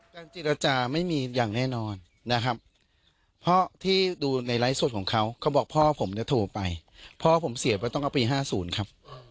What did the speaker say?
เจรจาไม่มีอย่างแน่นอนนะครับเพราะที่ดูในไลฟ์สดของเขาเขาบอกพ่อผมเนี่ยโทรไปพ่อผมเสียไปต้องเอาปี๕๐ครับ